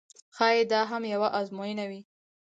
ښایي دا هم یوه آزموینه وي.